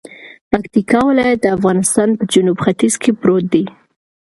پکتیکا ولایت دافغانستان په جنوب ختیځ کې پروت دی